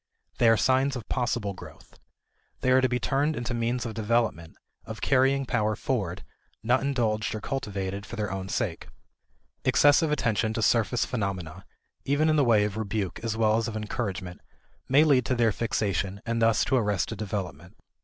They are signs of possible growth. They are to be turned into means of development, of carrying power forward, not indulged or cultivated for their own sake. Excessive attention to surface phenomena (even in the way of rebuke as well as of encouragement) may lead to their fixation and thus to arrested development.